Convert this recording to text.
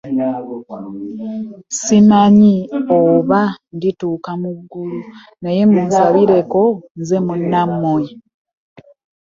Ssimanyi oba ndituuka mu ggulu, naye munsabireko nze munnammwe.